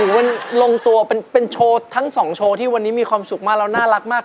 มันลงตัวเป็นโชว์ทั้งสองโชว์ที่วันนี้มีความสุขมากแล้วน่ารักมาก